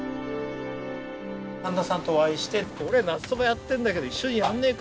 半田さんとお会いして「俺夏そばやってんだけど一緒にやらねえか」